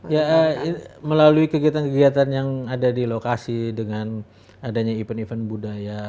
ya melalui kegiatan kegiatan yang ada di lokasi dengan adanya event event budaya